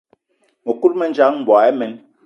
Mëkudgë mendjang, mboigi imen.